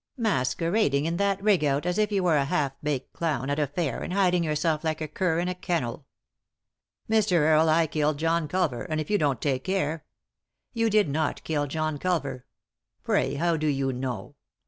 Masquerad ing in that rig out, as if you were a half baked clown at a fair, and hiding yourself like a cur in a kennel" " Mr. Earle, I killed John Culver ; and if you don't take care "" You did not kill John Culver." " Pray, how do you know